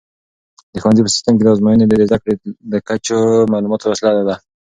د ښوونځي په سیسټم کې ازموینې د زده کوونکو د کچې معلومولو وسیله ده.